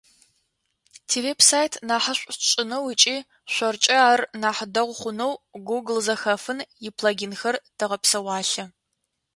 Тивеб-сайт нахьышӏу тшӏынэу ыкӏи шъоркӏэ ар нахь дэгъу хъунэу Гоогыл Зэхэфын иплагинхэр тэгъэпсэуалъэ.